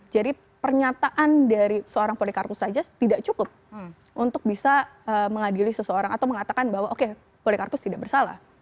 jadi pernyataan dari seorang polikarpus saja tidak cukup untuk bisa mengadili seseorang atau mengatakan bahwa oke polikarpus tidak bersalah